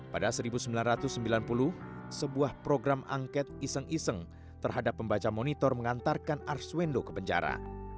pada seribu sembilan ratus sembilan puluh sebuah program angket iseng iseng terhadap pembaca monitor mengantarkan arswendo ke penjara